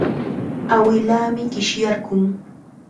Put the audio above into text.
Awilaami qishyarqun.